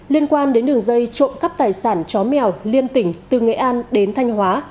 liên quan đến đường dây trộm cắp tài sản chó mèo liên tỉnh từ nghệ an đến thanh hóa